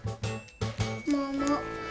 もも。